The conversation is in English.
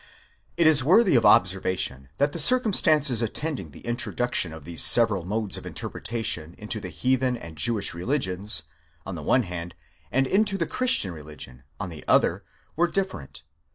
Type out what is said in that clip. It is worthy of observation that the circumstances attending the introduc tion of these several modes of interpretation into the heathen and Jewish religions, on the one hand, and into the christian religion, on the other, were different.